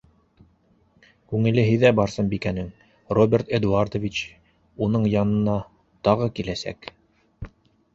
Күңеле һиҙә Барсынбикәнең: Роберт Эдуардович уның янына тағы киләсәк.